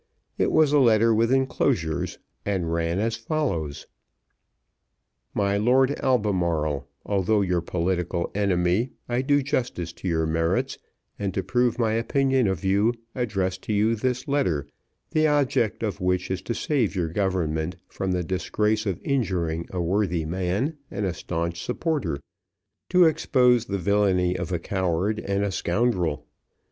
It was a letter with enclosures, and ran as follows: "MY LORD ALBEMARLE, "Although your political enemy, I do justice to your merits, and to prove my opinion of you, address to you this letter, the object of which is to save your government from the disgrace of injuring a worthy man, and a staunch supporter, to expose the villany of a coward and a scoundrel.